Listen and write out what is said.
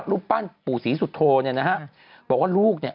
รูปปั้นปู่ศรีสุโธเนี่ยนะฮะบอกว่าลูกเนี่ย